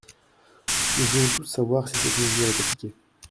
Nous voulons tous savoir si cette mesure est appliquée.